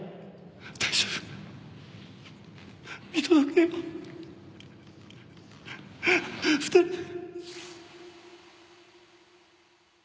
大丈夫見届けよう２人で